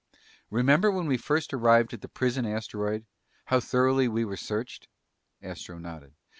"Remember when we first arrived at the prison asteroid? How thoroughly we were searched?" Astro nodded.